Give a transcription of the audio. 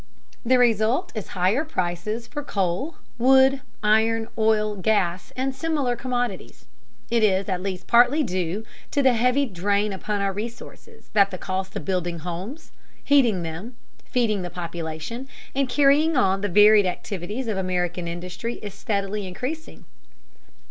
The result is higher prices for coal, wood, iron, oil, gas, and similar commodities. It is at least partly due to the heavy drain upon our resources that the cost of building homes, heating them, feeding the population, and carrying on the varied activities of American industry is steadily increasing.